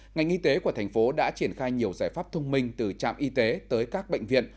ngành y tế của thành phố đã triển khai nhiều giải pháp thông minh từ trạm y tế tới các bệnh viện